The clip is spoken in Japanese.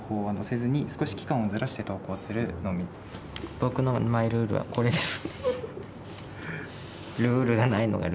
僕のマイルールはこれです。